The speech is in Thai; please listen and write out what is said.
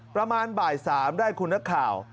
ประมาณบ่าย๓ได้คุณนักข่าว